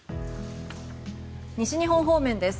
西日本方面です。